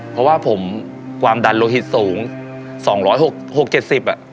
เพราะว่าผมความดันโลหิตสูง๒๖๐๒๗๐กิโลกรัม